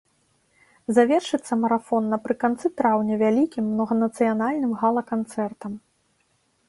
Завершыцца марафон напрыканцы траўня вялікім многанацыянальным гала-канцэртам.